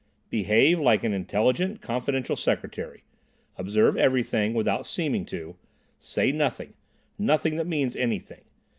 '" "Behave like an intelligent confidential secretary. Observe everything, without seeming to. Say nothing—nothing that means anything.